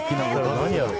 何やろう。